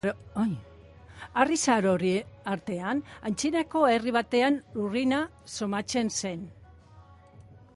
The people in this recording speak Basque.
Harri zahar horien artean aintzinako herri baten lurrina somatzen zen.